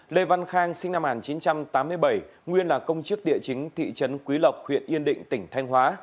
lê văn khang sinh năm một nghìn chín trăm tám mươi bảy nguyên là công chức địa chính thị trấn quý lộc huyện yên định tỉnh thanh hóa